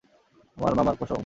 আমার মামার কসম।